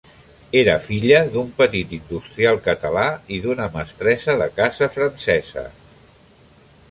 Era filla d'un petit industrial català i d'una mestressa de casa francesa.